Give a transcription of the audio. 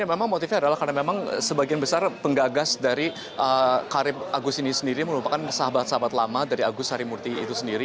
memang motifnya adalah karena memang sebagian besar penggagas dari karib agus ini sendiri merupakan sahabat sahabat lama dari agus harimurti itu sendiri